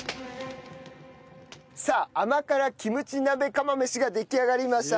さあ甘辛キムチ鍋釜飯が出来上がりました。